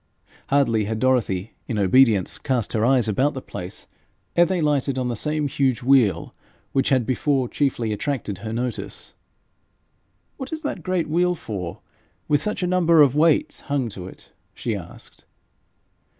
Hardly had Dorothy, in obedience, cast her eyes about the place, ere they lighted on the same huge wheel which had before chiefly attracted her notice. 'What is that great wheel for, with such a number of weights hung to it?' she asked.